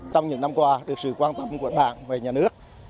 trong những năm qua được sự quan tâm của bạn về nhà nước